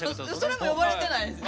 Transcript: それも呼ばれてないです。